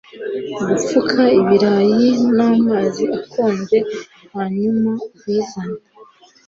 Gupfuka ibirayi namazi akonje hanyuma ubizane